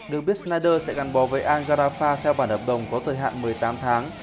được biết snyder sẽ gắn bò với al garrafa theo bản hợp đồng có thời hạn một mươi tám tháng